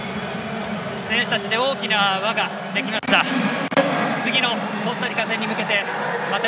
選手たちの大きな輪ができました。